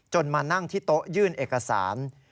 มานั่งที่โต๊ะยื่นเอกสาร